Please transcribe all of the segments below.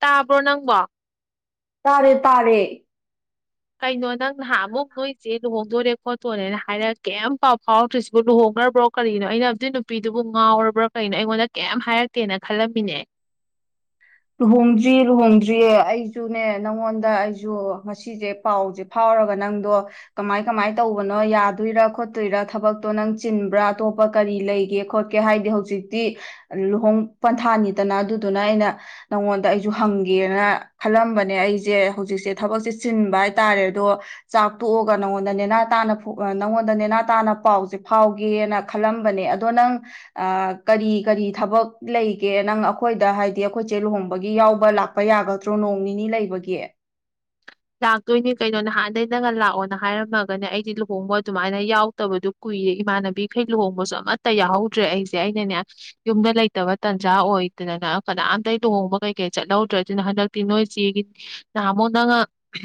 ꯇꯥꯕ꯭ꯔꯣ ꯅꯪꯕꯣ ꯇꯥꯔꯦ ꯇꯥꯔꯦ ꯀꯩꯅꯣ ꯅꯪ ꯅꯍꯥꯟꯃꯨꯛ ꯅꯣꯏꯆꯦ ꯂꯨꯍꯣꯡꯗꯣꯔꯦ ꯈꯣꯠꯇꯣꯔꯦꯅ ꯍꯥꯏꯔꯒ ꯀꯩꯝ ꯄꯥꯎ ꯐꯥꯎꯔꯛꯇ꯭ꯔꯤꯁꯤꯕꯨ ꯂꯨꯍꯣꯡꯒ꯭ꯔꯕꯣ ꯀꯔꯤꯅꯣ ꯑꯩꯅ ꯑꯗꯨꯏ ꯅꯨꯄꯤꯗꯨꯕꯨ ꯉꯥꯎꯔꯕ꯭ꯔꯣ ꯀꯔꯤꯅꯣ ꯑꯩꯉꯣꯟꯗ ꯀꯩꯝ ꯍꯥꯏꯔꯛꯇꯦꯅ ꯈꯜꯂꯝꯃꯤꯅꯦ ꯂꯨꯍꯣꯡꯗ꯭ꯔꯤ ꯂꯨꯍꯣꯡꯗ꯭ꯔꯤꯌꯦ ꯑꯩꯁꯨꯅꯦ ꯅꯪꯉꯣꯟꯗ ꯑꯩꯁꯨ ꯉꯁꯤꯁꯦ ꯄꯥꯎꯁꯦ ꯐꯥꯎꯔꯒ ꯅꯪꯗꯣ ꯀꯃꯥꯏ ꯀꯃꯥꯏ ꯇꯧꯕꯅꯣ ꯌꯥꯗꯣꯏꯔꯥ ꯈꯣꯠꯇꯣꯏꯔꯥ ꯊꯕꯛꯇꯣ ꯅꯪ ꯆꯤꯟꯕ꯭ꯔꯥ ꯑꯇꯣꯞꯄ ꯀꯔꯤ ꯂꯩꯒꯦ ꯈꯣꯠꯀꯦ ꯍꯥꯏꯗꯤ ꯍꯧꯖꯤꯛꯇꯤ ꯂꯨꯍꯣꯡ ꯄꯟꯊꯥꯅꯤꯗꯅ ꯑꯗꯨꯗꯨꯅ ꯑꯩꯅ ꯅꯪꯉꯣꯟꯗ ꯑꯩꯁꯨ ꯍꯪꯒꯦꯅ ꯈꯜꯂꯝꯕꯅꯦ ꯑꯩꯁꯦ ꯍꯧꯖꯤꯛꯁꯦ ꯊꯕꯛꯁꯦ ꯆꯤꯟꯕ ꯍꯥꯏꯇꯥꯔꯦ ꯑꯗꯣ ꯆꯥꯛ ꯇꯣꯛꯑꯒ ꯅꯪꯉꯣꯟꯗ ꯅꯦꯅꯥ ꯇꯥꯅ ꯅꯪꯉꯣꯟꯗ ꯅꯦꯅꯥ ꯇꯥꯅ ꯄꯥꯎꯁꯦ ꯐꯥꯎꯒꯦꯅ ꯈꯜꯂꯝꯕꯅꯦ ꯑꯗꯣ ꯅꯪ ꯀꯔꯤ ꯀꯔꯤ ꯊꯕꯛ ꯂꯩꯒꯦ ꯅꯪ ꯑꯈꯣꯏꯗ ꯍꯥꯏꯗꯤ ꯑꯈꯣꯏ ꯆꯦ ꯂꯨꯍꯣꯡꯕꯒꯤ ꯌꯥꯎꯕ ꯂꯥꯛꯄ ꯌꯥꯒꯗ꯭ꯔꯣ ꯅꯣꯡ ꯅꯤꯅꯤ ꯂꯩꯕꯒꯤ ꯂꯥꯛꯇꯣꯏꯅꯦ ꯀꯩꯅꯣ ꯅꯍꯥꯟꯗꯩ ꯅꯪꯅ ꯂꯥꯛꯑꯣꯅ ꯍꯥꯏꯔꯝꯃꯒꯅꯦ ꯑꯩꯗꯤ ꯂꯨꯍꯣꯡꯕ ꯑꯗꯨꯃꯥꯏꯅ ꯌꯥꯎꯗꯕꯗꯨ ꯀꯨꯏꯔꯦ ꯏꯃꯥꯟꯅꯕꯤꯈꯩ ꯂꯨꯍꯣꯡꯕꯁꯨ ꯑꯃꯠꯇ ꯌꯥꯎꯍꯧꯗ꯭ꯔꯦ ꯑꯩꯁꯦ ꯑꯩꯅꯅꯦ ꯌꯨꯝꯗ ꯂꯩꯇꯕ ꯇꯥꯟꯖꯥ ꯑꯣꯏꯗꯅ ꯀꯅꯥꯝꯇ ꯂꯨꯍꯣꯡꯕ ꯀꯩꯀꯩ ꯆꯠꯍꯧꯗ꯭ꯔꯦ ꯑꯗꯨꯅ ꯍꯟꯗꯛꯇꯤ ꯅꯣꯏ ꯆꯦꯒꯤ ꯅꯍꯥꯃꯨꯛ ꯅꯪ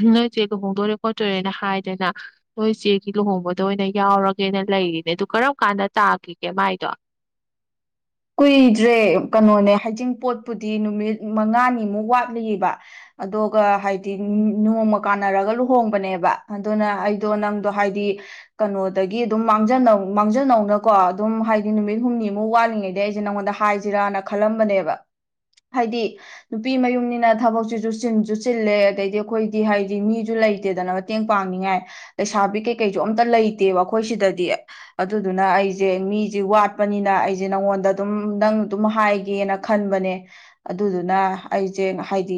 ꯅꯣꯏ ꯆꯦ ꯂꯨꯍꯣꯡꯗꯣꯔꯦ ꯈꯣꯠꯇꯣꯔꯦꯅ ꯍꯥꯏꯗꯅ ꯅꯣꯏ ꯆꯦꯒꯤ ꯂꯨꯍꯣꯡꯕꯗ ꯑꯣꯏꯅ ꯌꯥꯎꯔꯒꯦꯅ ꯂꯩꯔꯤꯅꯦ ꯑꯗꯨ ꯀꯔꯝ ꯀꯥꯟꯗ ꯇꯥꯈꯤꯒꯦ ꯃꯥꯏꯗꯣ ꯀꯨꯏꯗ꯭ꯔꯦ ꯀꯩꯅꯣꯅꯦ ꯍꯥꯏꯖꯤꯡ ꯄꯣꯠꯄꯨꯗꯤ ꯅꯨꯃꯤꯠ ꯃꯉꯥꯅꯤꯃꯨꯛ ꯋꯥꯠꯂꯤꯑꯕ ꯑꯗꯨꯒ ꯍꯥꯏꯗꯤ ꯅꯣꯡꯃ ꯀꯥꯟꯅꯔꯒ ꯂꯨꯍꯣꯡꯕꯅꯦꯕ ꯑꯗꯨꯅ ꯑꯩꯗꯣ ꯅꯪꯗꯣ ꯍꯥꯏꯗꯤ ꯀꯩꯅꯣꯗꯒꯤ ꯑꯗꯨꯝ ꯃꯥꯡꯖꯧ ꯃꯥꯡꯖꯅꯧꯅꯀꯣ ꯑꯗꯨꯝ ꯍꯥꯏꯗꯤ ꯅꯨꯃꯤꯠ ꯍꯨꯝꯅꯤꯃꯨꯛ ꯋꯥꯠꯂꯤꯉꯩ ꯑꯩꯁꯦ ꯅꯉꯣꯟꯗ ꯍꯥꯏꯁꯤꯔꯥꯅ ꯈꯜꯂꯝꯕꯅꯦꯕ ꯍꯥꯏꯗꯤ ꯅꯨꯄꯤ ꯃꯌꯨꯝꯅꯤꯅ ꯊꯕꯛꯁꯤꯁꯨ ꯆꯤꯟꯁꯨ ꯆꯤꯜꯂꯦ ꯑꯗꯩꯗꯤ ꯑꯈꯣꯏꯗꯤ ꯍꯥꯏꯗꯤ ꯃꯤꯁꯨ ꯂꯩꯇꯦꯗꯅ ꯃꯇꯦꯡ ꯄꯥꯡꯅꯤꯡꯉꯥꯏ ꯂꯩꯁꯥꯕꯤ ꯀꯩꯀꯩꯁꯨ ꯑꯝꯇ ꯂꯩꯇꯦꯕ ꯑꯩꯈꯣꯏ ꯁꯤꯗꯗꯤ ꯑꯗꯨꯗꯨꯅ ꯑꯩꯁꯦ ꯃꯤꯁꯦ ꯋꯥꯠꯄꯅꯤꯅ ꯑꯩꯁꯦ ꯅꯉꯣꯟꯗ ꯑꯗꯨꯝ ꯅꯪ ꯑꯗꯨꯝ ꯍꯥꯏꯒꯦꯅ ꯈꯟꯕꯅꯦ ꯑꯗꯨꯗꯨꯅ ꯑꯩꯁꯦ ꯍꯥꯏꯗꯤ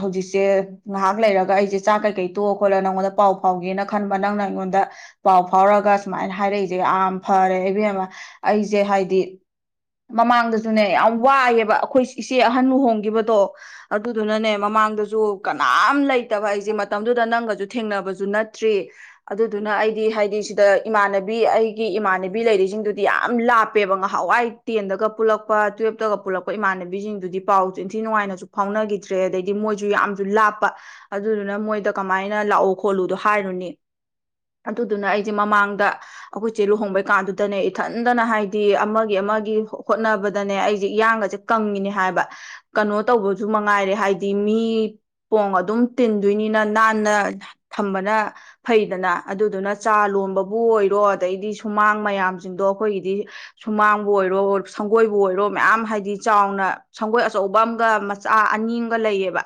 ꯍꯧꯖꯤꯛꯁꯦ ꯉꯥꯏꯍꯥꯛ ꯂꯩꯔꯒ ꯑꯩꯁꯦ ꯆꯥꯛ ꯀꯩꯀꯩ ꯇꯣꯛꯑ ꯈꯣꯠꯂ ꯅꯪꯉꯣꯟꯗ ꯄꯥꯎ ꯐꯥꯎꯒꯦꯅ ꯈꯟꯕ ꯅꯪꯅ ꯑꯩꯉꯣꯟꯗ ꯄꯥꯎ ꯐꯥꯎꯔꯒ ꯁꯨꯃꯥꯏꯅ ꯍꯥꯏꯔꯛꯏꯁꯦ ꯌꯥꯝ ꯐꯔꯦ ꯏꯕꯦꯝꯃ ꯑꯩꯁꯦ ꯍꯥꯏꯗꯤ ꯃꯃꯥꯡꯗꯁꯨꯅꯦ ꯌꯥꯝ ꯋꯥꯏꯑꯦꯕ ꯑꯈꯣꯏ ꯏꯆꯦ ꯑꯍꯟ ꯂꯨꯍꯣꯡꯒꯤꯕꯗꯣ ꯑꯗꯨꯗꯨꯅꯅꯦ ꯃꯃꯥꯡꯗꯁꯨ ꯀꯅꯥꯝ ꯂꯩꯇꯕ ꯑꯩꯁꯦ ꯃꯇꯝꯗꯨꯗ ꯅꯪꯒꯁꯨ ꯊꯦꯡꯅꯕꯁꯨ ꯅꯠꯇ꯭ꯔꯤ ꯑꯗꯨꯗꯨꯅ ꯑꯩꯗꯤ ꯍꯥꯏꯗꯤ ꯁꯤꯗ ꯏꯃꯥꯟꯅꯕꯤ ꯑꯩꯒꯤ ꯏꯃꯥꯟꯅꯕꯤ ꯂꯩꯔꯤꯁꯤꯡꯗꯨꯗꯤ ꯌꯥꯝ ꯂꯥꯞꯄꯦꯕ ꯉꯍꯥꯟꯋꯥꯏ ꯇꯦꯟꯗꯒ ꯄꯨꯜꯂꯛꯄ ꯇꯨꯋꯦꯞꯇꯒ ꯄꯨꯜꯂꯛꯄ ꯏꯃꯥꯟꯅꯕꯤꯁꯤꯡꯗꯨꯗꯤ ꯄꯥꯎꯁꯨ ꯏꯟꯊꯤ ꯅꯨꯡꯉꯥꯏꯅꯁꯨ ꯐꯥꯎꯅꯈꯤꯗ꯭ꯔꯦ ꯑꯗꯩꯗꯤ ꯃꯣꯏꯁꯨ ꯌꯥꯝꯁꯨ ꯂꯥꯞꯄ ꯑꯗꯨꯗꯨꯅ ꯃꯣꯏꯗ ꯀꯃꯥꯏꯅ ꯂꯥꯛꯎ ꯈꯣꯠꯂꯨꯗꯣ ꯍꯥꯏꯔꯨꯅꯤ ꯑꯗꯨꯗꯨꯅ ꯑꯩꯁꯦ ꯃꯃꯥꯡꯗ ꯑꯈꯣꯏꯆꯦ ꯂꯨꯍꯣꯡꯕꯩ ꯀꯥꯟꯗꯨꯗꯅꯦ ꯏꯊꯟꯗꯅ ꯍꯥꯏꯗꯤ ꯑꯃꯒꯤ ꯑꯃꯒꯤ ꯍꯣꯠꯅꯕꯗꯅꯦ ꯑꯩꯁꯦ ꯏꯌꯥꯡꯒꯁꯦ ꯀꯪꯉꯤꯅꯦ ꯍꯥꯏꯕ ꯀꯩꯅꯣ ꯇꯧꯕꯁꯨ ꯃꯉꯥꯏꯔꯦ ꯍꯥꯏꯗꯤ ꯃꯤ ꯄꯣꯡ ꯑꯗꯨꯝ ꯇꯤꯟꯗꯣꯏꯅꯤꯅ ꯅꯥꯟꯅ ꯊꯝꯕꯅ ꯐꯩꯗꯅ ꯑꯗꯨꯗꯨꯅ ꯆꯥ ꯂꯣꯟꯕꯕꯨ ꯑꯣꯏꯔꯣ ꯑꯗꯩꯗꯤ ꯁꯨꯃꯥꯡ ꯃꯌꯥꯝꯁꯤꯡꯗꯣ ꯑꯩꯈꯣꯏꯒꯤꯗꯤ ꯁꯨꯃꯥꯡ ꯕꯨ ꯑꯣꯏꯔꯣ ꯁꯪꯒꯣꯏꯕꯨ ꯑꯣꯏꯔꯣ ꯃꯌꯥꯝ ꯍꯥꯏꯗꯤ ꯆꯥꯎꯅ ꯁꯪꯒꯣꯏ ꯑꯆꯧꯕ ꯑꯃꯒ ꯃꯆꯥ ꯑꯅꯤꯒ ꯂꯩꯌꯦꯕ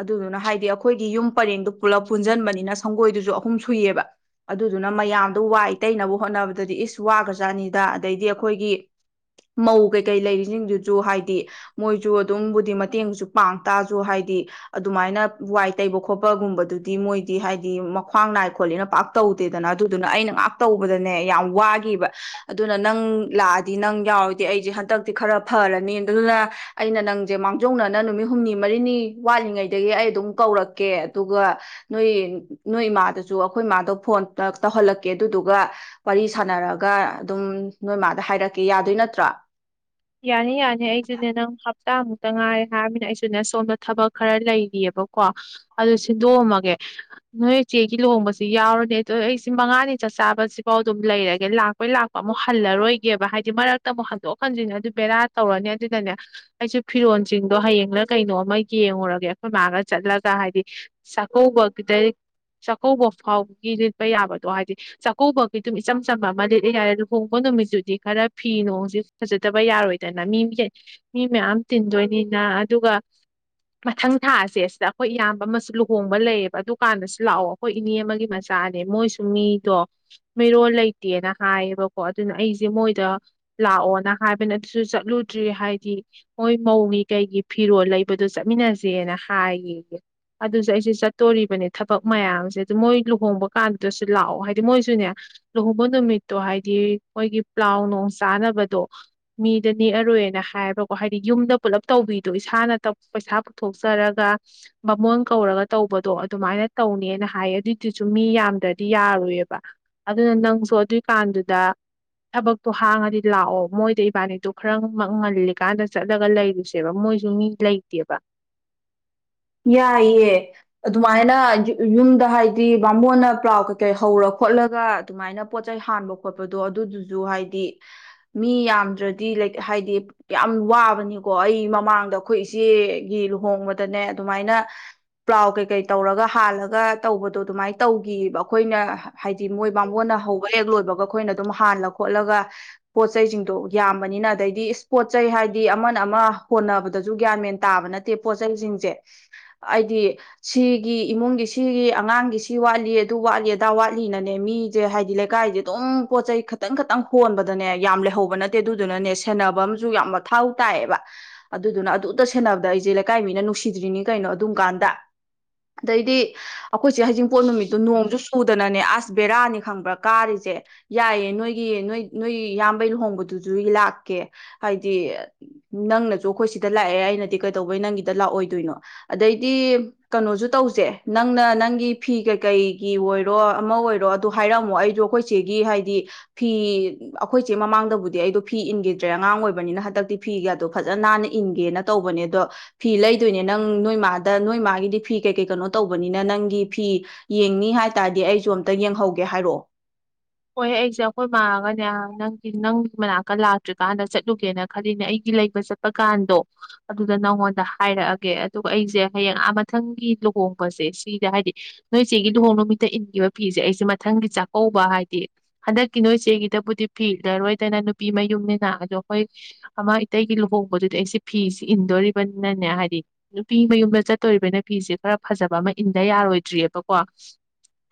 ꯑꯗꯨꯗꯨꯅ ꯍꯥꯏꯗꯤ ꯑꯈꯣꯏꯒꯤ ꯌꯨꯝ ꯄꯔꯦꯡꯗ ꯄꯨꯂꯞ ꯄꯨꯟꯖꯟꯕꯅꯤꯅ ꯁꯪꯒꯣꯏꯗꯨꯁꯨ ꯑꯍꯨꯝ ꯁꯨꯏꯑꯕ ꯑꯗꯨꯗꯨꯅ ꯃꯌꯥꯝꯗꯣ ꯋꯥꯏꯇꯩꯩꯅꯕ ꯍꯣꯠꯅꯕꯗꯗꯤ ꯏꯁ ꯋꯥꯒ꯭ꯔꯖꯥꯅꯤꯗ ꯑꯗꯩꯗꯤ ꯑꯈꯣꯏꯒꯤ ꯃꯧ ꯀꯩꯀꯩ ꯂꯩꯔꯤꯁꯤꯡꯗꯨꯁꯨ ꯍꯥꯏꯗꯤ ꯃꯣꯏꯁꯨ ꯑꯗꯨꯝꯕꯨꯗꯤ ꯃꯇꯦꯡꯁꯨ ꯄꯥꯡꯇꯥꯁꯨ ꯍꯥꯏꯗꯤ ꯑꯗꯨꯃꯥꯏꯅ ꯋꯥꯏ ꯇꯩꯕ ꯈꯣꯠꯄꯒꯨꯝꯕꯗꯨꯗꯤ ꯃꯣꯏꯗꯤ ꯍꯥꯏꯗꯤ ꯃꯈ꯭ꯋꯥꯡ ꯅꯥꯏ ꯈꯣꯠꯂꯤꯅ ꯄꯥꯛ ꯇꯧꯗꯦꯗꯅ ꯑꯗꯨꯗꯨꯅ ꯑꯩꯅ ꯉꯥꯛꯇꯧꯕꯗꯅꯦ ꯌꯥꯝ ꯋꯥꯒꯤꯕ ꯑꯗꯨꯅ ꯅꯪ ꯂꯥꯛꯑꯗꯤ ꯗꯤ ꯅꯪ ꯌꯥꯎꯔꯗꯤ ꯑꯩꯁꯦ ꯍꯟꯗꯛꯇꯤ ꯈꯔ ꯐꯔꯅꯤ ꯑꯗꯨꯗꯨꯅ ꯑꯩꯅ ꯅꯪꯁꯦ ꯃꯥꯡꯖꯧꯅꯅ ꯅꯨꯃꯤꯠ ꯍꯨꯝꯅꯤ ꯃꯔꯤꯅꯤ ꯋꯥꯠꯂꯤꯉꯩꯗꯒꯤ ꯑꯩ ꯑꯗꯨꯝ ꯀꯧꯔꯛꯀꯦ ꯑꯗꯨꯒ ꯅꯣꯏ ꯅꯣꯏ ꯏꯃꯥꯗꯁꯨ ꯑꯩꯈꯣꯏ ꯏꯃꯥꯗꯣ ꯐꯣꯟ ꯇꯧꯍꯜꯂꯛꯀꯦ ꯑꯗꯨꯗꯨꯒ ꯋꯥꯔꯤ ꯁꯥꯟꯅꯔꯒ ꯑꯗꯨꯝ ꯅꯣꯏꯃꯥꯗ ꯍꯥꯏꯔꯛ ꯌꯥꯗꯣꯏ ꯅꯠꯇ꯭ꯔꯥ ꯌꯥꯅꯤ ꯌꯥꯅꯤ ꯑꯩꯁꯨꯅꯦ ꯅꯪ ꯍꯞꯇꯥꯃꯨꯛꯇ ꯉꯥꯏꯔꯦ ꯍꯥꯏꯃꯤꯅ ꯑꯩꯁꯨꯅꯦ ꯁꯣꯝꯗ ꯊꯕꯛ ꯈꯔ ꯂꯩꯔꯤꯑꯕꯀꯣ ꯑꯗꯨ ꯁꯤꯟꯗꯣꯛꯑꯝꯃꯒꯦ ꯅꯣꯏ ꯆꯦꯒꯤ ꯂꯨꯍꯣꯡꯕꯁꯤ ꯌꯥꯎꯔꯅꯤ ꯑꯗꯨꯗꯣ ꯑꯩꯁꯤ ꯃꯉꯥꯅꯤ ꯆꯥꯛ ꯆꯥꯕꯁꯤꯐꯥꯎ ꯑꯗꯨꯝ ꯂꯩꯔꯒꯦ ꯂꯥꯛꯄꯩ ꯂꯥꯛꯄ ꯑꯃꯨꯛ ꯍꯜꯂꯔꯣꯏꯒꯦꯕ ꯍꯥꯏꯗꯤ ꯃꯔꯛꯇ ꯑꯃꯨꯛ ꯍꯟꯗꯣꯛ ꯍꯟꯖꯤꯟ ꯑꯗꯨ ꯕꯦꯔꯥ ꯇꯧꯔꯅꯤ ꯑꯗꯨꯅꯅꯦ ꯑꯩꯁꯨ ꯐꯤꯔꯣꯜꯁꯤꯡꯗꯣ ꯍꯌꯦꯡꯅ ꯀꯩꯅꯣ ꯑꯃ ꯌꯦꯡꯉꯨꯔꯒꯦ ꯑꯩꯈꯣꯏ ꯃꯥꯒ ꯆꯠꯂꯒ ꯍꯥꯏꯗꯤ ꯆꯥꯛꯀꯧꯕꯒꯤꯗ ꯆꯥꯛꯀꯧꯕ ꯐꯥꯎꯕꯒꯤ ꯂꯤꯠꯄ ꯌꯥꯕꯗꯣ ꯍꯥꯏꯗꯤ ꯆꯥꯛꯀꯧꯕꯒꯤ ꯑꯗꯨꯝ ꯏꯆꯝ ꯆꯝꯕ ꯑꯃ ꯂꯤꯠꯂ ꯌꯥꯔꯦ ꯂꯨꯍꯣꯡꯕ ꯅꯨꯃꯤꯠꯇꯨꯗꯤ ꯈꯔ ꯐꯤ ꯅꯨꯡꯁꯤ ꯐꯖ ꯗꯕ ꯌꯥꯔꯣꯏꯗꯅ ꯃꯤ ꯃꯤ ꯃꯌꯥꯝ ꯇꯤꯟꯗꯣꯏꯅꯤꯅ ꯑꯗꯨꯒ ꯃꯊꯪ ꯊꯥꯁꯦ ꯁꯤꯗ ꯑꯩꯈꯣꯏ ꯏꯌꯥꯝꯕ ꯑꯃꯁꯨ ꯂꯨꯍꯣꯡꯕ ꯂꯩꯌꯦꯕ ꯑꯗꯨꯀꯥꯟꯗꯁꯨ ꯂꯥꯛꯑꯣ ꯑꯩꯈꯣꯏ ꯏꯅꯦ ꯑꯃꯒꯤ ꯃꯆꯥꯅꯦ ꯃꯣꯏꯁꯨ ꯃꯤꯗꯣ ꯃꯤꯔꯣꯜ ꯂꯩꯇꯦꯅ ꯍꯥꯏꯌꯦꯕꯀꯣ ꯑꯗꯨꯅ ꯑꯩꯁꯦ ꯃꯣꯏꯗ ꯂꯥꯛꯑꯣꯅ ꯍꯥꯏꯕꯅꯤ ꯑꯗꯨꯁꯨ ꯆꯠꯂꯨꯗ꯭ꯔꯤ ꯍꯥꯏꯗꯤ ꯃꯣꯏ ꯃꯧꯒꯤ ꯀꯩꯒꯤ ꯐꯤꯔꯣꯜ ꯂꯩꯕꯗꯣ ꯆꯠꯃꯤꯟꯅꯁꯦꯅ ꯍꯥꯏꯌꯦ ꯑꯗꯨꯁꯨ ꯑꯩꯁꯦ ꯆꯠꯇꯣꯔꯤꯕꯅꯦ ꯊꯕꯛ ꯃꯌꯥꯝꯁꯦ ꯑꯗꯨ ꯃꯣꯏ ꯂꯨꯍꯣꯡꯕ ꯀꯥꯟꯗꯨꯗꯁꯨ ꯂꯥꯛꯑꯣ ꯍꯥꯏꯗꯤ ꯃꯣꯏꯁꯨꯅꯦ ꯂꯨꯍꯣꯡꯕ ꯅꯨꯃꯤꯠꯇꯣ ꯍꯥꯏꯗꯤ ꯃꯣꯏꯒꯤ ꯄ꯭ꯂꯥꯎ ꯅꯨꯡ ꯆꯥꯅꯕꯗꯣ ꯃꯤꯗ ꯅꯦꯛꯑꯔꯣꯏꯅ ꯍꯥꯏꯕꯀꯣ ꯍꯥꯏꯗꯤ ꯌꯨꯝꯗ ꯄꯨꯜꯂꯞ ꯇꯧꯕꯤꯗꯣ ꯏꯁꯥꯅ ꯄꯩꯁꯥ ꯄꯨꯊꯣꯛꯆꯔꯒ ꯕꯃꯣꯟ ꯀꯧꯔꯒ ꯇꯧꯕꯗꯣ ꯑꯗꯨꯃꯥꯏꯅ ꯇꯧꯅꯦꯅ ꯍꯥꯏꯌꯦ ꯑꯗꯨꯏꯗꯨꯁꯨ ꯃꯤ ꯌꯥꯝꯗ꯭ꯔꯗꯤ ꯌꯥꯔꯨꯏꯌꯦꯕ ꯑꯗꯨꯅ ꯅꯪꯁꯨ ꯑꯗꯨꯏꯀꯥꯟꯗꯨꯗ ꯊꯕꯛꯇꯣ ꯍꯥꯡꯉꯗꯤ ꯂꯥꯛꯑꯣ ꯃꯣꯏꯗ ꯏꯕꯥꯅꯤꯠꯇꯣ ꯈꯔ ꯉꯜꯂꯤꯀꯥꯟꯗ ꯆꯠꯂꯒ ꯂꯩꯔꯨꯁꯦꯕ ꯃꯣꯏꯁꯨ ꯃꯤ ꯂꯩꯇꯦꯕ ꯌꯥꯏꯌꯦ ꯑꯗꯨꯃꯥꯏꯅ ꯌꯨꯝꯗ ꯍꯥꯏꯗꯤ ꯕꯥꯃꯣꯟꯅ ꯄ꯭ꯂꯥꯎ ꯀꯩꯀꯩ ꯍꯧꯔ ꯈꯣꯠꯂꯒ ꯑꯗꯨꯃꯥꯏꯅ ꯄꯣꯠꯆꯩ ꯍꯥꯟꯕ ꯈꯣꯠꯄꯗꯣ ꯑꯗꯨꯗꯨꯁꯨ ꯍꯥꯏꯗꯤ ꯃꯤ ꯌꯥꯝꯗ꯭ꯔꯗꯤ ꯍꯥꯏꯗꯤ ꯌꯥꯝ ꯋꯥꯕꯅꯤꯀꯣ ꯑꯩ ꯃꯃꯥꯡꯗ ꯑꯩꯈꯣꯏ ꯏꯆꯦꯒꯤ ꯂꯨꯍꯣꯡꯕꯗꯅꯦ ꯑꯗꯨꯃꯥꯏꯅ ꯄ꯭ꯂꯥꯎ ꯀꯩꯀꯩ ꯇꯧꯔꯒ ꯍꯥꯜꯂꯒ ꯇꯧꯕꯗꯣ ꯑꯗꯨꯃꯥꯏꯅ ꯇꯧꯒꯤꯑꯕ ꯑꯩꯈꯣꯏꯅ ꯍꯥꯏꯗꯤ ꯃꯣꯏ ꯕꯥꯃꯣꯟꯅ ꯍꯧꯕ ꯍꯦꯛ ꯂꯣꯏꯕꯒ ꯑꯩꯈꯣꯏꯅ ꯑꯗꯨꯝ ꯍꯥꯟꯂ ꯈꯣꯠꯂꯒ ꯄꯣꯠꯆꯩꯁꯤꯡꯗꯣ ꯌꯥꯝꯕꯅꯤꯅ ꯑꯗꯩꯗꯤ ꯏꯁ ꯄꯣꯠꯆꯩ ꯍꯥꯏꯗꯤ ꯑꯃꯅ ꯑꯃ ꯍꯣꯠꯅꯕꯗꯁꯨ ꯒ꯭ꯌꯥꯟ ꯃꯦꯟ ꯇꯥꯕ ꯅꯠꯇꯦ ꯄꯣꯠ ꯆꯩꯁꯤꯡꯁꯦ ꯍꯥꯏꯗꯤ ꯁꯤꯒꯤ ꯏꯃꯨꯡꯒꯤ ꯁꯤꯒꯤ ꯑꯉꯥꯡꯒꯤ ꯁꯤ ꯋꯥꯠꯂꯤ ꯑꯗꯨ ꯋꯥꯠꯂꯤ ꯑꯗꯥ ꯋꯥꯠꯂꯤꯅꯅꯦ ꯃꯤꯁꯦ ꯍꯥꯏꯗꯤ ꯂꯩꯀꯥꯏꯁꯦ ꯑꯗꯨꯝ ꯄꯣꯠ ꯆꯩꯩ ꯈꯇꯪ ꯈꯇꯪ ꯍꯣꯟꯕꯗꯅꯦ ꯌꯥꯝ ꯂꯩꯍꯧꯕ ꯅꯠꯇꯦ ꯑꯗꯨꯗꯨꯅꯅꯦ ꯁꯦꯟꯅꯕ ꯑꯃꯁꯨ ꯌꯥꯝ ꯃꯊꯧ ꯇꯥꯏꯌꯦꯕ ꯑꯗꯨꯗꯨꯅ ꯑꯗꯨꯗ ꯁꯦꯟꯅꯕꯗ ꯑꯩꯁꯦ ꯂꯩꯀꯥꯏ ꯃꯤꯅ ꯅꯨꯡꯁꯤ ꯁꯤꯗ꯭ꯔꯤꯅꯤ ꯀꯩꯅꯣ ꯑꯗꯨꯝꯀꯥꯟꯗ ꯑꯗꯩꯗꯤ ꯑꯩꯈꯣꯏꯁꯦ ꯍꯩꯖꯤꯡꯄꯣꯠ ꯅꯨꯃꯤꯠꯇꯣ ꯅꯣꯡꯁꯨ ꯁꯨꯗꯅꯅꯦ ꯑꯁ ꯕꯦꯔꯥꯅꯤ ꯈꯪꯕ꯭ꯔꯥ ꯀꯥꯔꯤꯁꯦ ꯌꯥꯏꯌꯦꯦ ꯅꯣꯏꯒꯤ ꯅꯣꯏ ꯅꯣꯏ ꯏꯌꯥꯝꯕꯩ ꯂꯨꯍꯣꯡꯕꯗꯨꯁꯨ ꯂꯥꯛꯀꯦ ꯍꯥꯏꯗꯤ ꯅꯪꯅꯁꯨ ꯑꯩꯈꯣꯏ ꯁꯤꯗ ꯂꯥꯛꯑꯦ ꯑꯩꯅꯗꯤ ꯀꯩꯗꯧꯕꯩ ꯅꯪꯒꯤꯗ ꯂꯥꯛꯑꯣꯏ ꯑꯗꯨꯏꯅꯣ ꯑꯗꯩꯗꯤ ꯀꯩꯅꯣꯁꯨ ꯇꯧꯁꯦ ꯅꯪꯅ ꯅꯪꯒꯤ ꯐꯤ ꯀꯩꯀꯩꯒꯤ ꯑꯣꯏꯔꯣ ꯑꯃ ꯑꯣꯏꯔꯣ ꯑꯗꯨꯗ ꯍꯥꯏꯔꯛꯑꯝꯃꯣ ꯑꯩꯗꯣ ꯑꯩꯈꯣꯏꯆꯦꯒꯤ ꯍꯥꯏꯗꯤ ꯐꯤ ꯑꯩꯈꯣꯏꯆꯦ ꯃꯃꯥꯡꯗꯕꯨꯗꯤ ꯑꯩꯗꯣ ꯐꯤ ꯏꯟꯈꯤꯗ꯭ꯔꯦ ꯑꯉꯥꯡ ꯑꯣꯏꯕꯅꯤꯅ ꯍꯟꯗꯛꯇꯤ ꯐꯤꯒꯗꯣ ꯐꯖꯅ ꯅꯥꯟꯅ ꯏꯟꯒꯦꯅ ꯇꯧꯕꯅꯦ ꯑꯗꯣ ꯐꯤ ꯂꯩ ꯀꯗꯣꯏꯅꯦ ꯅꯪ ꯅꯣꯏ ꯃꯥꯗ ꯅꯣꯏ ꯃꯥꯒꯤꯗꯤ ꯐꯤ ꯀꯩ ꯀꯩ ꯀꯩꯅꯣ ꯇꯧꯕꯅꯤꯅ ꯅꯪꯒꯤ ꯐꯤ ꯌꯦꯡꯅꯤ ꯍꯥꯏ ꯇꯥꯔꯗꯤ ꯑꯩꯁꯨ ꯑꯝꯇ ꯌꯦꯡꯍꯧꯒꯦ ꯍꯥꯏꯔꯛꯑꯣ ꯍꯣꯏ ꯑꯩꯁꯦ ꯑꯩꯈꯣꯏ ꯃꯥꯒꯅꯦ ꯅꯪꯒꯤ ꯅꯪꯒꯤ ꯃꯅꯥꯛꯀ ꯂꯥꯛꯇ꯭ꯔꯤꯀꯥꯟꯗ ꯆꯠꯂꯨꯒꯦꯅ ꯈꯜꯂꯤꯅꯦ ꯑꯩꯒꯤ ꯂꯩꯕ ꯆꯠꯄ ꯀꯥꯟꯗꯣ ꯑꯗꯨꯗ ꯅꯪꯉꯣꯟꯗ ꯍꯥꯏꯔꯛꯑꯒꯦ ꯑꯗꯨꯒ ꯑꯩꯁꯦ ꯍꯌꯦꯡ ꯑꯥ ꯃꯊꯪꯒꯤ ꯂꯨꯍꯣꯡꯕꯁꯦ ꯁꯤꯗ ꯍꯥꯏꯗꯤ ꯅꯣꯏ ꯏꯆꯦꯒꯤ ꯂꯨꯍꯣꯡ ꯅꯨꯃꯤꯠꯇ ꯏꯟꯈꯤꯕ ꯐꯤꯁꯦ ꯑꯩꯁꯦ ꯃꯊꯪꯒꯤ ꯆꯥꯛꯀꯧꯕ ꯍꯥꯏꯗꯤ ꯍꯟꯗꯛꯀꯤ ꯅꯣꯏꯁꯤꯦ ꯑꯩꯒꯤꯗꯕꯨꯗꯤ ꯐꯤ ꯏꯂꯔꯣꯏꯗꯅ ꯅꯨꯄꯤ ꯃꯌꯨꯝꯅꯤꯅ ꯑꯗꯣ ꯑꯩꯈꯣꯏ ꯑꯃ ꯏꯇꯩꯒꯤ ꯂꯨꯍꯣꯡꯕꯗꯨꯗꯤ ꯑꯩꯁꯦ ꯐꯤ ꯏꯟꯗꯣꯔꯤꯕꯅꯤꯅꯅꯦ ꯍꯥꯏꯗꯤ ꯅꯨꯄꯤ ꯃꯌꯨꯝꯗ ꯆꯠꯇꯣꯔꯤꯕꯅꯤꯅ ꯐꯤꯁꯦ ꯈꯔ ꯐꯖꯕ ꯑꯃ ꯏꯟꯗ ꯌꯥꯔꯣꯏꯗ꯭ꯔꯤ ꯕꯀꯣ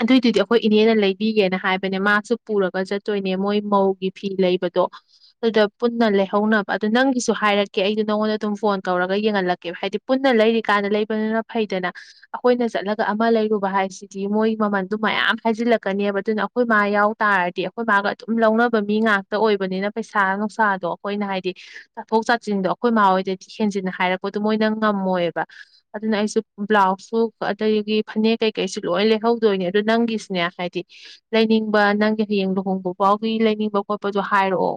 ꯑꯗꯨꯕꯨꯗꯤ ꯑꯩꯈꯣꯏ ꯏꯅꯦꯅ ꯂꯩꯕꯤꯒꯦꯅ ꯍꯥꯏꯕ ꯃꯥꯁꯨ ꯄꯨꯔꯒ ꯆꯠꯇꯣꯏꯅꯦ ꯃꯣꯏ ꯃꯧꯒꯤ ꯐꯤ ꯂꯩꯕꯗꯣ ꯑꯗꯨꯗ ꯄꯨꯟꯅ ꯂꯩꯍꯧꯅꯕ ꯑꯗꯨ ꯅꯪꯒꯤꯁꯨ ꯍꯥꯏꯔꯛꯀꯦ ꯑꯩꯗꯣ ꯅꯉꯣꯟꯗ ꯑꯗꯨꯝ ꯐꯣꯟ ꯀꯧꯔꯒ ꯌꯦꯡꯍꯜꯂꯛꯀꯦꯕ ꯍꯥꯏꯗꯤ ꯄꯨꯟꯅ ꯂꯩꯔꯤꯀꯥꯟꯗ ꯂꯩꯕꯅꯤꯅ ꯐꯩꯗꯅ ꯑꯩꯈꯣꯏꯅ ꯆꯠꯂꯒ ꯑꯃ ꯂꯩꯔꯨꯕ ꯍꯥꯏꯁꯤꯗꯤ ꯃꯣꯏ ꯃꯃꯜꯗꯨ ꯃꯌꯥꯝ ꯍꯥꯏꯖꯤꯜꯂꯛꯀꯅꯦꯕ ꯑꯗꯨꯅ ꯑꯩꯈꯣꯏ ꯃꯥ ꯌꯥꯎ ꯇꯥꯔꯗꯤ ꯑꯩꯈꯣꯏ ꯃꯥꯒ ꯑꯗꯨꯝ ꯂꯧꯅꯕ ꯃꯤ ꯉꯥꯛꯇ ꯑꯣꯏꯕꯅꯤꯅ ꯄꯩꯁꯥ ꯅꯨꯡꯁꯥꯗꯣ ꯑꯩꯈꯣꯏꯅ ꯍꯥꯏꯗꯤ ꯇꯥꯊꯣꯛ ꯆꯥꯁꯤꯟꯗꯣ ꯑꯩꯈꯣꯏ ꯃꯥ ꯍꯣꯏꯗꯗꯤ ꯍꯦꯟꯖꯤꯟꯅ ꯍꯥꯏꯔꯛꯄꯗꯣ ꯃꯣꯏꯅꯪ ꯉꯝꯃꯣꯏꯑꯕ ꯑꯗꯨꯅ ꯑꯩꯁꯨ ꯕ꯭ꯂꯥꯎꯁꯁꯨ ꯑꯗꯒꯤ ꯐꯅꯦꯛ ꯀꯩꯀꯩꯁꯨ ꯂꯣꯏ ꯂꯩꯍꯧꯗꯣꯏꯅꯦ ꯑꯗꯨ ꯅꯪꯒꯤꯁꯤꯅꯦ ꯍꯥꯏꯗꯤ ꯂꯩꯅꯤꯡꯕ ꯅꯪꯒꯤ ꯍꯌꯦꯡ ꯂꯨꯍꯣꯡꯕ ꯐꯥꯎꯒꯤ ꯂꯩꯅꯤꯡꯕ ꯈꯣꯠꯄꯁꯨ ꯍꯥꯏꯔꯛꯑꯣ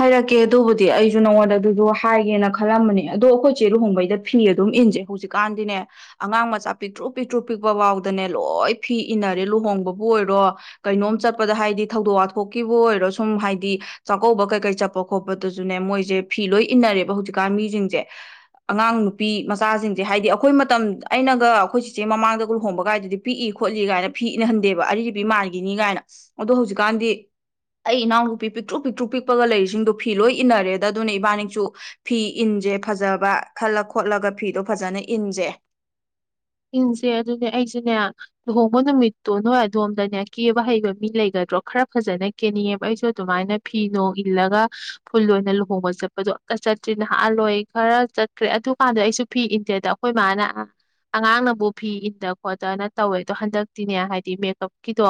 ꯍꯥꯏꯔꯛꯀꯦ ꯑꯗꯨꯕꯨꯗꯤ ꯑꯩꯁꯨ ꯅꯉꯣꯟꯗ ꯑꯗꯨꯁꯨ ꯍꯥꯏꯒꯦꯅ ꯈꯜꯂꯝꯕꯅꯦ ꯑꯗꯣ ꯑꯩꯈꯣꯏꯆꯦ ꯂꯨꯍꯣꯡꯕꯩꯗ ꯐꯤ ꯑꯗꯨꯝ ꯏꯟꯁꯦ ꯍꯧꯖꯤꯛꯀꯥꯟꯗꯤꯅꯦ ꯑꯉꯥꯡ ꯃꯆꯥ ꯄꯤꯛꯇ꯭ꯔꯨ ꯄꯤꯛꯇ꯭ꯔꯨ ꯄꯤꯛꯄ ꯐꯥꯎꯗꯅꯦ ꯂꯣꯏ ꯐꯤ ꯏꯟꯅꯔꯦ ꯂꯨꯍꯣꯡꯕꯕꯨ ꯑꯣꯏꯔꯣ ꯀꯩꯅꯣꯝ ꯆꯠꯄꯗ ꯍꯥꯏꯗꯤ ꯊꯧꯗꯣꯛ ꯋꯥꯊꯣꯛꯀꯤꯕꯨ ꯑꯣꯏꯔꯣ ꯁꯨꯝ ꯍꯥꯏꯗꯤ ꯆꯥꯛꯀꯧꯕ ꯀꯩ ꯆꯠꯄ ꯈꯣꯠꯄꯗꯨꯁꯨꯅꯦ ꯃꯣꯏꯁꯦ ꯐꯤ ꯂꯣꯏ ꯏꯟꯅꯔꯦꯕ ꯍꯧꯖꯤꯛꯀꯥꯟ ꯃꯤꯁꯤꯡꯁꯦ ꯑꯉꯥꯡ ꯅꯨꯄꯤ ꯃꯆꯥꯁꯤꯡꯁꯦ ꯍꯥꯏꯗꯤ ꯑꯩꯈꯣꯏ ꯃꯇꯝ ꯑꯩꯅꯒ ꯑꯩꯈꯣꯏ ꯆꯤꯆꯦ ꯃꯃꯥꯡꯗ ꯂꯨꯍꯣꯡꯕ ꯀꯥꯏꯗꯨꯗꯤ ꯄꯤꯛꯏ ꯈꯣꯠꯂꯤ ꯀꯥꯏꯅ ꯐꯤ ꯏꯟꯍꯟꯗꯦꯕ ꯑꯔꯤꯔꯤꯕ ꯃꯥꯟꯈꯤꯅꯤ ꯀꯥꯏꯅ ꯑꯗꯣ ꯍꯧꯖꯤꯛꯀꯥꯟꯗꯤ ꯑꯩ ꯏꯅꯥꯎꯅꯨꯄꯤ ꯄꯤꯛꯇ꯭ꯔꯨ ꯄꯤꯛꯇ꯭ꯔꯨ ꯀꯨꯞꯄꯒ ꯂꯩꯔꯤꯁꯤꯡꯗꯣ ꯐꯤ ꯂꯣꯏ ꯏꯟꯅꯔꯦꯗ ꯑꯗꯨꯅ ꯏꯕꯥꯅꯤꯁꯨ ꯐꯤ ꯏꯟꯁꯦ ꯐꯖꯕ ꯈꯜꯂ ꯈꯣꯠꯂꯒ ꯐꯤꯗꯣ ꯐꯖꯅ ꯏꯟꯁꯦ ꯏꯟꯁꯦ ꯑꯗꯨꯅꯦ ꯑꯩꯁꯨꯅꯦ ꯂꯨꯍꯣꯡꯕ ꯅꯨꯃꯤꯠꯇꯣ ꯅꯣꯏ ꯑꯗꯣꯝꯗꯅꯦ ꯀꯦꯕ ꯍꯩꯕ ꯃꯤ ꯂꯩꯒꯗ꯭ꯔꯣ ꯈꯔ ꯐꯖꯅ ꯀꯦꯅꯤꯡꯉꯦꯕ ꯑꯩꯁꯨ ꯑꯗꯨꯃꯥꯏꯅ ꯐꯤ ꯅꯣꯡ ꯏꯜꯂꯒ ꯐꯨꯜ ꯑꯣꯏꯅ ꯂꯨꯍꯣꯡꯕ ꯆꯠꯄꯗꯣ ꯑꯝꯇ ꯆꯠꯇ꯭ꯔꯤ ꯅꯍꯥꯜꯂꯣꯏ ꯈꯔ ꯆꯠꯈ꯭ꯔꯦ ꯑꯗꯨꯀꯥꯟꯗ ꯑꯩꯁꯨ ꯐꯤ ꯏꯟꯗꯦꯗ ꯑꯩꯈꯣꯏ ꯃꯥꯅ ꯑꯉꯥꯡꯅꯕꯨ ꯐꯤ ꯏꯟꯗ ꯈꯣꯠꯇꯅ ꯇꯧꯋꯦ ꯑꯗꯣ ꯍꯟꯗꯛꯇꯤꯅꯦ ꯍꯥꯏꯗꯤ ꯃꯦꯀꯞꯀꯤꯗꯣ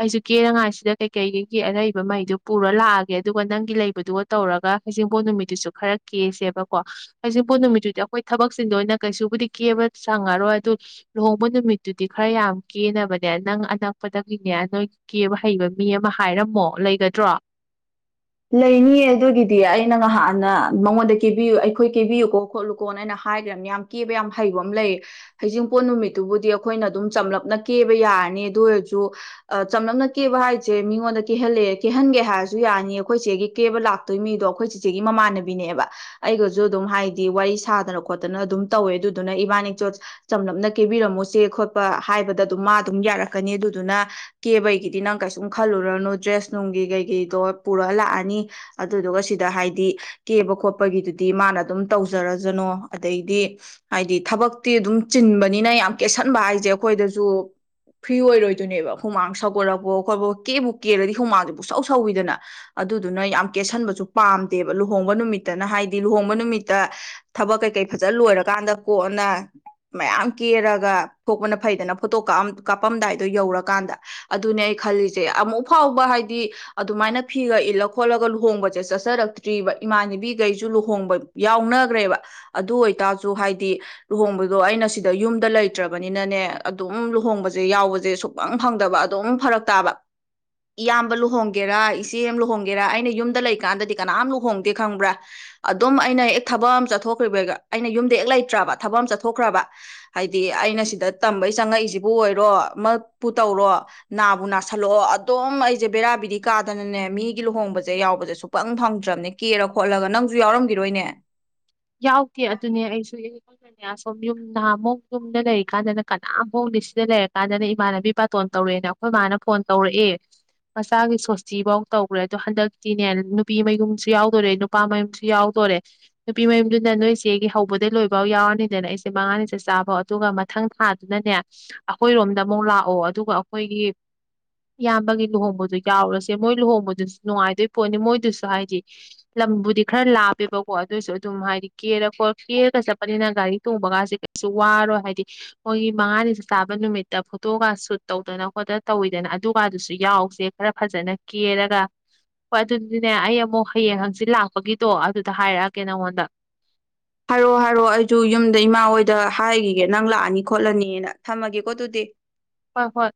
ꯑꯩꯁꯨ ꯀꯦꯅꯉꯥꯏꯁꯤꯗ ꯀꯩꯀꯩꯒꯤ ꯑꯔꯩꯕ ꯃꯍꯩꯗꯨ ꯄꯨꯔ ꯂꯥꯛꯑꯒꯦ ꯑꯗꯨꯒ ꯅꯪꯒꯤ ꯂꯩꯕꯗꯨꯒ ꯇꯧꯔꯒ ꯍꯩꯖꯤꯡꯕꯣꯠ ꯅꯨꯃꯤꯠꯇꯨꯁꯨ ꯈꯔ ꯀꯦꯁꯦꯕꯀꯣ ꯍꯩꯖꯤꯡꯕꯣꯠ ꯅꯨꯃꯤꯠꯇꯗꯤ ꯑꯩꯈꯣꯏ ꯊꯕꯛꯁꯤꯡꯗ ꯑꯣꯏꯅ ꯀꯩꯁꯨꯕꯨꯗꯤ ꯀꯦꯕ ꯆꯪꯉꯔꯣꯏ ꯑꯗꯨ ꯂꯨꯍꯣꯡꯕ ꯅꯨꯃꯤꯠꯇꯨꯗꯤ ꯈꯔ ꯌꯥꯝ ꯀꯦꯅꯕꯅꯦ ꯅꯪ ꯑꯅꯛꯄꯗꯗꯒꯤꯅꯦ ꯅꯣꯏ ꯀꯦꯕ ꯍꯩꯕ ꯃꯤ ꯑꯃ ꯍꯥꯏꯔꯝꯃꯣ ꯂꯩꯒꯗ꯭ꯔꯣ ꯂꯩꯅꯤꯌꯦ ꯑꯗꯨꯒꯤꯗꯤ ꯑꯩꯅ ꯉꯍꯥꯟꯅ ꯃꯉꯣꯟꯗ ꯀꯦꯕꯤꯌꯨ ꯑꯩꯈꯣꯏ ꯀꯦꯕꯤꯌꯨꯀꯣ ꯈꯣꯠꯂꯨꯀꯣꯅ ꯑꯩꯅ ꯍꯥꯏꯈ꯭ꯔꯕꯅꯤ ꯌꯥꯝ ꯀꯦꯕ ꯌꯥꯝ ꯍꯩꯕ ꯑꯃ ꯂꯩꯌꯦ ꯍꯩꯖꯤꯡꯄꯣꯠ ꯅꯨꯃꯤꯠꯇꯨꯕꯨꯗꯤ ꯑꯩꯈꯣꯏꯅ ꯑꯗꯨꯝ ꯆꯝꯂꯞꯅ ꯀꯦꯕ ꯌꯥꯔꯅꯤ ꯑꯗꯨ ꯑꯣꯏꯔꯁꯨ ꯆꯝꯂꯞꯅ ꯀꯦꯕ ꯍꯥꯏꯁꯦ ꯃꯤꯉꯣꯟꯗ ꯀꯦꯍꯜꯂꯑꯦ ꯀꯦꯍꯟꯒꯦ ꯍꯥꯏꯔꯁꯨ ꯌꯥꯅꯤ ꯑꯩꯈꯣꯏ ꯆꯦꯒꯤ ꯀꯦꯕ ꯂꯥꯛꯇꯣꯏ ꯃꯤꯗꯣ ꯑꯩꯈꯣꯏ ꯆꯤꯆꯦꯒꯤ ꯃꯃꯥꯟꯅꯕꯤꯅꯦꯕ ꯑꯩꯒꯁꯨ ꯑꯗꯨꯝ ꯍꯥꯏꯗꯤ ꯋꯥꯔꯤ ꯁꯥꯗꯅ ꯈꯣꯠꯇꯅ ꯑꯗꯨꯝ ꯇꯧꯋꯦ ꯑꯗꯨꯗꯨꯅ ꯏꯕꯥꯅꯤ ꯏꯆꯦ ꯆꯝꯂꯞꯅ ꯀꯦꯕꯤꯔꯝꯃꯨ ꯆꯦ ꯈꯣꯠꯄ ꯍꯥꯏꯕꯗ ꯑꯗꯨꯝ ꯃꯥ ꯑꯗꯨꯝ ꯌꯥꯔꯛꯀꯅꯤ ꯑꯗꯨꯗꯨꯅ ꯀꯦꯕꯒꯤꯗꯤ ꯅꯪ ꯀꯩꯁꯨꯝ ꯈꯜꯂꯨꯔꯅꯨ ꯗ꯭ꯔꯦꯁ ꯅꯨꯡꯒꯤ ꯀꯩꯀꯩꯗꯣ ꯄꯨꯔꯛꯑ ꯂꯥꯛꯑꯅꯤ ꯑꯗꯨꯗꯨꯒ ꯁꯤꯗ ꯍꯥꯏꯗꯤ ꯀꯦꯕ ꯈꯣꯠꯄꯒꯤꯗꯨꯗꯤ ꯃꯥꯅ ꯑꯗꯨꯝ ꯇꯧꯖꯔꯖꯅꯣ ꯑꯗꯩꯗꯤ ꯍꯥꯏꯗꯤ ꯊꯕꯛꯇꯤ ꯑꯗꯨꯝ ꯆꯤꯟꯕꯅꯤꯅ ꯌꯥꯝ ꯀꯦꯁꯟꯕ ꯍꯥꯏꯁꯦ ꯑꯩꯈꯣꯏꯗꯁꯨ ꯐ꯭ꯔꯤ ꯑꯣꯏꯔꯣꯏꯗꯣꯏꯅꯦꯕ ꯍꯨꯃꯥꯡ ꯁꯧꯒꯠꯂꯛꯄ ꯈꯣꯠꯄ ꯀꯦꯕꯨ ꯀꯦꯔꯗꯤ ꯍꯨꯃꯥꯡꯁꯦ ꯄꯨꯁꯧ ꯁꯧꯋꯤꯗꯅ ꯑꯗꯨꯗꯨꯅ ꯌꯥꯝ ꯀꯦꯠꯁꯟꯕꯁꯨ ꯄꯥꯝꯗꯦꯕ ꯂꯨꯍꯣꯡꯕ ꯅꯨꯃꯤꯠꯇꯅ ꯍꯥꯏꯗꯤ ꯂꯨꯍꯣꯡꯕ ꯅꯨꯃꯤꯠꯇ ꯊꯕꯛ ꯀꯩꯀꯩ ꯐꯖ ꯂꯣꯏꯔꯀꯥꯟꯗ ꯀꯣꯟꯅ ꯃꯌꯥꯝ ꯀꯦꯔꯒ ꯊꯣꯛꯄꯅ ꯐꯩꯗꯅ ꯐꯣꯇꯣ ꯀꯩꯀ ꯀꯥꯞꯄꯝꯗꯥꯏꯗꯣ ꯌꯧꯔꯀꯥꯟꯗ ꯑꯗꯨꯅꯦ ꯑꯩ ꯈꯜꯂꯤꯁꯦ ꯑꯃꯨꯛ ꯐꯥꯎꯕ ꯍꯥꯏꯗꯤ ꯑꯗꯨꯃꯥꯏꯅ ꯐꯤꯒ ꯏꯜꯂ ꯈꯣꯠꯂꯒ ꯂꯨꯍꯣꯡꯕꯁꯦ ꯆꯠꯆꯔꯛꯇ꯭ꯔꯤꯕ ꯏꯃꯥꯟꯅꯕꯤꯈꯩꯁꯨ ꯂꯨꯍꯣꯡꯕ ꯌꯥꯎꯅꯈ꯭ꯔꯦꯕ ꯑꯗꯨ ꯑꯣꯏꯇꯥꯔꯁꯨ ꯍꯥꯏꯗꯤ ꯂꯨꯍꯣꯡꯕꯗꯣ ꯑꯩꯅ ꯁꯤꯗ ꯌꯨꯝꯗ ꯂꯩꯇ꯭ꯔꯕꯅꯤꯅꯅꯦ ꯑꯗꯨꯝ ꯂꯨꯍꯣꯡꯕꯁꯦ ꯌꯥꯎꯕꯁꯦ ꯁꯨꯛꯐꯪ ꯐꯪꯗꯕ ꯑꯗꯨꯝ ꯐꯔꯛ ꯇꯥꯕ ꯏꯌꯥꯝꯕ ꯂꯨꯍꯣꯡꯒꯦꯔꯥ ꯏꯆꯦ ꯑꯃ ꯂꯨꯍꯣꯡꯒꯦꯔꯥ ꯑꯩꯅ ꯌꯨꯝꯗ ꯂꯩꯀꯥꯟꯗꯗꯤ ꯀꯅꯥꯝ ꯂꯨꯍꯣꯡꯗꯦ ꯈꯪꯕ꯭ꯔꯥ ꯑꯗꯨꯝ ꯑꯩꯅ ꯍꯦꯛ ꯊꯕꯛ ꯑꯃ ꯆꯠꯊꯣꯛꯈ꯭ꯔꯤꯕꯩ ꯑꯩꯅ ꯌꯨꯝꯗ ꯍꯦꯛ ꯂꯩꯇ꯭ꯔꯕ ꯊꯕꯛ ꯑꯃ ꯆꯠꯊꯣꯛꯈ꯭ꯔꯕ ꯍꯥꯏꯗꯤ ꯑꯩꯅ ꯁꯤꯗ ꯇꯝꯕꯩ ꯆꯪꯉꯛꯏꯁꯤꯕꯨ ꯑꯣꯏꯔꯣ ꯃꯄꯨ ꯇꯧꯔꯣ ꯅꯥꯕꯨ ꯅꯥꯁꯜꯂꯛꯑꯣ ꯑꯗꯨꯝ ꯑꯩꯁꯦ ꯕꯦꯔꯥꯕꯤꯗꯤ ꯀꯥꯗꯅꯅꯦ ꯃꯤꯒꯤ ꯂꯨꯍꯣꯡꯕꯁꯦ ꯌꯥꯎꯕꯁꯦ ꯁꯨꯐꯪ ꯐꯪꯗ꯭ꯔꯕꯅꯦ ꯀꯦꯔ ꯈꯣꯠꯂꯒ ꯅꯪꯁꯨ ꯌꯥꯎꯔꯝꯈꯤꯔꯣꯏꯅꯦ ꯌꯥꯎꯗꯦ ꯑꯗꯨꯅꯦ ꯑꯩꯁꯨ ꯑꯩꯈꯣꯏꯅꯅꯦ ꯑꯁꯣꯨꯝ ꯌꯨꯝ ꯅꯍꯥꯟꯃꯨꯛ ꯌꯨꯝꯗ ꯂꯩꯔꯤꯀꯥꯟꯗꯅ ꯀꯅꯥꯝꯐꯧꯗꯤ ꯁꯤꯗ ꯂꯩꯔꯀꯥꯟꯗꯅ ꯏꯃꯥꯟꯅꯕꯤ ꯕꯥꯇꯣꯟ ꯇꯧꯔꯛꯑꯦꯅ ꯑꯩꯈꯣꯏ ꯃꯥꯅ ꯐꯣꯟ ꯇꯧꯔꯛꯑꯦ ꯃꯆꯥꯒꯤ ꯁꯣꯁꯇꯤꯐꯧ ꯇꯧꯈ꯭ꯔꯦ ꯑꯗꯣ ꯍꯟꯗꯛꯇꯤꯅꯦ ꯅꯨꯄꯤ ꯃꯌꯨꯝꯁꯨ ꯌꯥꯎꯗꯣꯔꯦ ꯅꯨꯄꯥ ꯃꯌꯨꯝꯁꯨ ꯌꯥꯎꯗꯣꯔꯦ ꯅꯨꯄꯤ ꯃꯌꯨꯝꯗꯨꯅ ꯅꯣꯏꯁꯦꯒꯤ ꯍꯧꯕꯗꯒꯤꯩ ꯂꯣꯏꯕꯥꯎ ꯌꯥꯎꯔꯅꯤꯗꯅ ꯑꯩꯁꯦ ꯃꯉꯥꯅꯤꯁꯦ ꯆꯥꯕ ꯑꯗꯨꯒ ꯃꯊꯪ ꯊꯥꯗꯨꯅꯅꯦ ꯑꯩꯈꯣꯏꯔꯣꯝꯗ ꯑꯃꯨꯛ ꯂꯥꯛꯑꯣ ꯑꯗꯨꯒ ꯑꯩꯈꯣꯏꯒꯤ ꯏꯌꯥꯝꯕꯒꯤ ꯂꯨꯍꯣꯡꯕꯗꯣ ꯌꯥꯎꯔꯁꯦ ꯃꯣꯏ ꯂꯨꯍꯣꯡꯕꯗꯨꯁꯨ ꯅꯨꯡꯉꯥꯏꯗꯣꯏ ꯄꯣꯠꯅꯤ ꯃꯣꯏꯗꯨꯁꯨ ꯍꯥꯏꯗꯤ ꯂꯝꯕꯨꯗꯤ ꯈꯔ ꯂꯥꯞꯄꯦꯕꯀꯣ ꯑꯗꯨꯁꯨ ꯑꯗꯨꯝ ꯍꯥꯏꯗꯤ ꯀꯦꯔ ꯈꯣ ꯀꯦꯔꯒ ꯆꯠꯄꯅꯤꯅ ꯒꯥꯔꯤ ꯇꯣꯡꯕꯒꯁꯤꯦ ꯀꯩꯁꯨ ꯋꯥꯔꯣꯏ ꯍꯥꯏꯗꯤ ꯃꯣꯏꯒꯤ ꯃꯉꯥꯅꯤꯁꯨ ꯆꯥꯕ ꯅꯨꯃꯤꯠꯇ ꯐꯣꯇꯣꯒ ꯁꯨꯠ ꯇꯧꯗꯅ ꯈꯣꯠꯇꯅ ꯇꯧꯋꯤꯗꯅ ꯑꯗꯨꯒꯗꯨꯁꯨ ꯌꯥꯎꯁꯦ ꯈꯔ ꯐꯖꯅ ꯀꯦꯔꯒ ꯍꯣꯏ ꯑꯗꯨꯗꯤꯅꯦ ꯑꯩ ꯑꯃꯨꯛ ꯍꯌꯦꯡ ꯍꯪꯆꯤ ꯂꯥꯛꯄꯒꯤꯗꯣ ꯑꯗꯨꯗ ꯍꯥꯏꯔꯛꯑꯒꯦ ꯅꯪꯉꯣꯟꯗ ꯗ ꯍꯥꯏꯔꯣꯑꯣ ꯍꯥꯏꯔꯑꯣ ꯑꯩꯁꯨ ꯌꯨꯝꯗ ꯏꯃꯥ ꯍꯣꯏꯗ ꯍꯥꯏꯈꯤꯒꯦ ꯅꯪ ꯂꯥꯛꯑꯅꯤ ꯈꯣꯠꯂꯅꯤꯅ ꯊꯝꯃꯒꯦꯀꯣ ꯑꯗꯨꯗꯤ ꯍꯣꯏ ꯍꯣꯏ